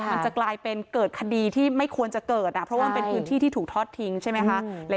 มันจะกลายเป็นเกิดคดีที่ไม่ควรจะเกิดเพราะว่ามันเป็นพื้นที่ที่ถูกทอดทิ้งใช่ไหมคะ